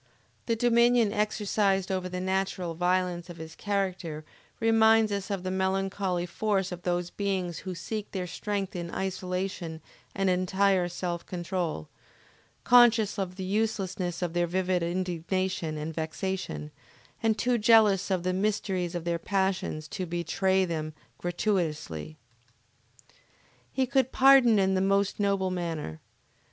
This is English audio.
The dominion exercised over the natural violence of his character reminds us of the melancholy force of those beings who seek their strength in isolation and entire self control, conscious of the uselessness of their vivid indignation and vexation, and too jealous of the mysteries of their passions to betray them gratuitously. He could pardon in the most noble manner.